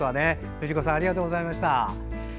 ふじ子さんありがとうございました。